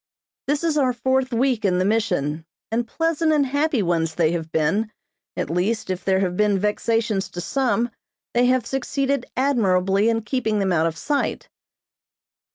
This is our fourth week in the Mission, and pleasant and happy ones they have been, at least, if there have been vexations to some, they have succeeded admirably in keeping them out of sight.